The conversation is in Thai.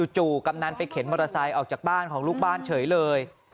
กำนันไปเข็นมอเตอร์ไซค์ออกจากบ้านของลูกบ้านเฉยเลย